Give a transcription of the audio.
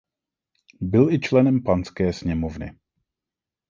Byl i členem Panské sněmovny.